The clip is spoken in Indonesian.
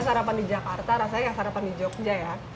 sarapan di jakarta rasanya sarapan di jogja ya